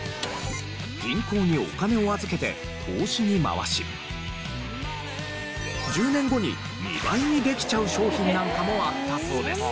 銀行にお金を預けて投資に回し１０年後に２倍にできちゃう商品なんかもあったそうです。